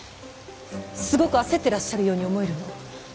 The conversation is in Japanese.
すごく焦ってらっしゃるように思えるの。